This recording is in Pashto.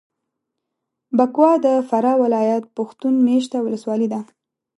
بکوا د فراه ولایت پښتون مېشته ولسوالي ده.